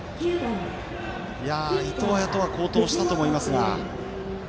伊藤彩斗は好投したと思いますが。